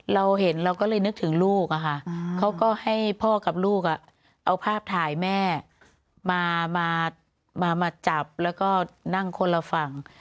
เราเห็นเราก็เลยนึกถึงลูกอะค่ะเขาก็ให้พ่อกับลูกเอาภาพถ่ายแม่มาจับแล้วก็นั่งคนละฝั่ง